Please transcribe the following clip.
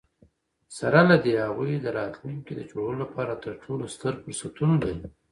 سره له دي، هغوی د راتلونکي د جوړولو لپاره تر ټولو ستر فرصتونه لري.